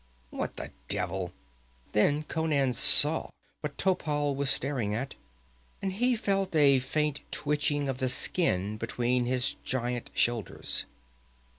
"What the devil?" Then Conan saw what Topal was staring at, and he felt a faint twitching of the skin between his giant shoulders.